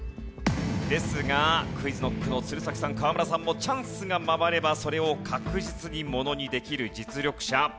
ですがＱｕｉｚＫｎｏｃｋの鶴崎さん河村さんもチャンスが回ればそれを確実にものにできる実力者。